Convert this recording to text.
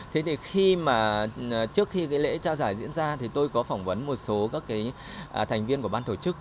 thế thì trước khi lễ trao giải diễn ra tôi có phỏng vấn một số thành viên của ban tổ chức